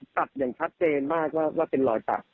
ตัดอย่างชัดเจนมากว่าเป็นรอยตัด